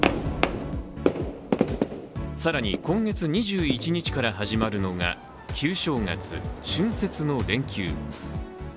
更に、今月２１日から始まるのが、旧正月＝春節の連休。